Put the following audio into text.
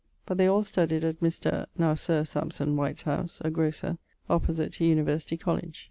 But they all studyed at Mr. (now Sir) Sampson White's house, a grocer, opposite to University College.